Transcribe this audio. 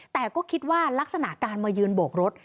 แต่ก็คิดว่ารักษณะการมายืนโบกรถ